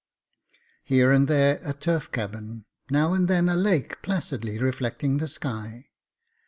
Here and there a turf cabin, now and then a lake placidly reflecting the sky.